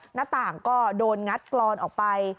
หน้าต่างก็โดนงัดกรอนออกไป